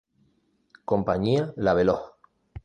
Compañía La Veloz.